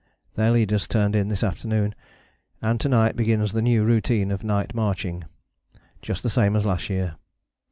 Their leaders turned in this afternoon, and to night begins the new routine of night marching, just the same as last year.